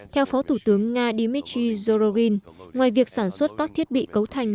theo phó thủ tướng nga dmitry zorugin ngoài việc sản xuất các thiết bị cấu thành